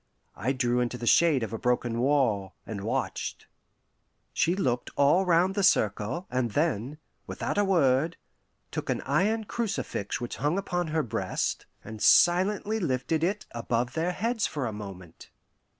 I drew into the shade of a broken wall, and watched. She looked all round the circle, and then, without a word, took an iron crucifix which hung upon her breast, and silently lifted it above their heads for a moment.